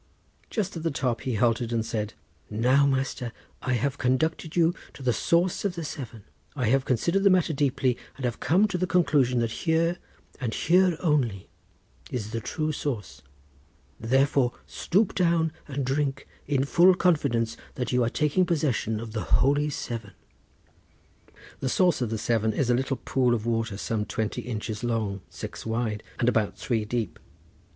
Just at the top he halted and said, "Now, master, I have conducted you to the source of the Severn. I have considered the matter deeply, and have come to the conclusion that here, and here only, is the true source. Therefore stoop down and drink, in full confidence that you are taking possession of the Holy Severn." The source of the Severn is a little pool of water some twenty inches long, six wide, and about three deep.